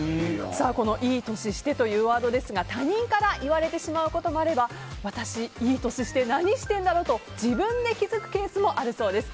このいい年してというワードですが他人から言われてしまうこともあれば私、いい年して何してんだろうと自分で気づくケースもあるそうです。